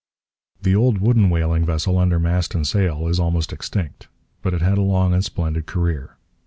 The old wooden whaling vessel under mast and sail is almost extinct. But it had a long and splendid career.